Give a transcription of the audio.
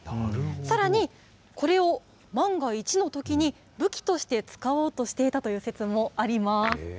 さらに、これを万が一のときに武器として使おうとしていたという説もあります。